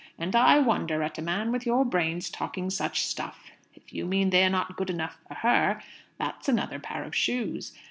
And I wonder at a man with your brains talking such stuff! If you mean they're not good enough for her, that's another pair of shoes.